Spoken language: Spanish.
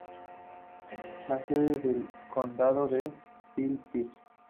La sede del condado es Philippi.